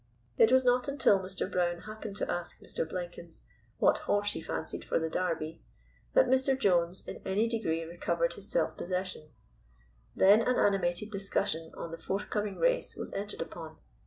It was not until Mr. Brown happened to ask Mr. Blenkins what horse he fancied for the Derby that Mr. Jones in any degree recovered his self possession. Then an animated discussion on the forthcoming race was entered upon.